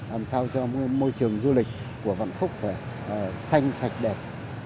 làm sao cho môi trường du lịch của vạn phúc phải xanh sạch đẹp